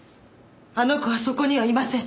あの子はそこにはいません。